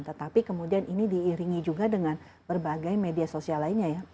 tetapi kemudian ini diiringi juga dengan berbagai media sosial lainnya ya